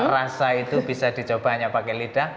rasa itu bisa dicoba hanya pakai lidah